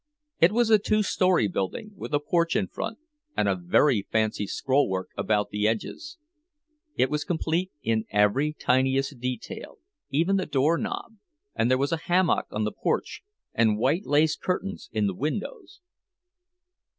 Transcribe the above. It was a two story building, with a porch in front, and a very fancy scrollwork around the edges; it was complete in every tiniest detail, even the doorknob, and there was a hammock on the porch and white lace curtains in the windows.